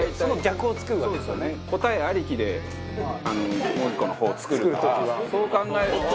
答えありきでもう１個の方を作るからそう考えると。